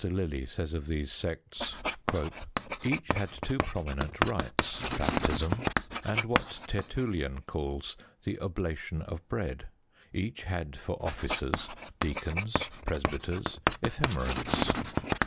Lillie says of these sects: Each had two prominent rites: baptism, and what Tertullian calls the "oblation of bread." Each had for officers, deacons, presbyters, ephemerents.